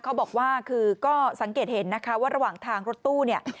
เขาบอกว่าคือก็สังเกตเห็นนะคะว่าระหว่างทางรถตู้เนี่ย